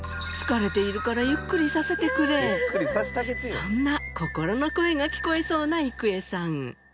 そんな心の声が聞こえそうな郁恵さん。